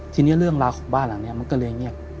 ทีนี้เรื่องราวของบ้านหลังนี้มันก็เลยเงียบ